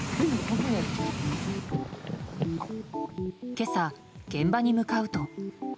今朝、現場に向かうと。